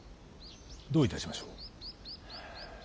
どういたしましょう？